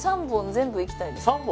３本全部行きたいです